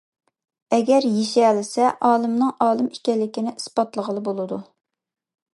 ئەگەر يېشەلىسە ،ئالىمنىڭ ئالىم ئىكەنلىكىنى ئىسپاتلىغىلى بولىدۇ .